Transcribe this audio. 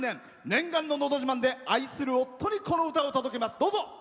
念願の「のど自慢」で愛する夫に、この歌を届けます。